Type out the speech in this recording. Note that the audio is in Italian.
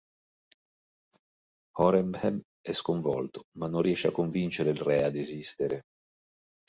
Horemheb è sconvolto, ma non riesce a convincere il re a desistere.